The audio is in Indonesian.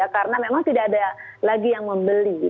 karena memang tidak ada lagi yang membeli